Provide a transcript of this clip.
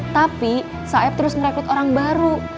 tapi saeb terus ngerekrut orang baru